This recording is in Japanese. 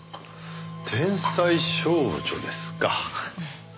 天才少女ですか。